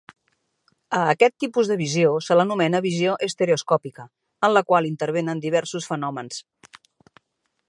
A aquest tipus de visió se l'anomena visió estereoscòpica, en la qual intervenen diversos fenòmens.